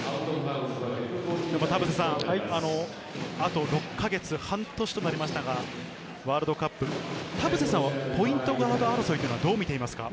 あと６か月、半年となりましたが、ワールドカップ、田臥さんはポイントガード争いはどう見ていますか？